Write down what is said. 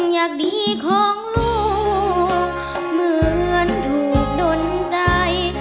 อยากดีของลูกเหมือนถูกดนใจ